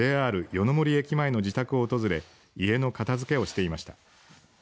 ＪＲ夜ノ森駅前の自宅を訪れ家の片づけをしていました。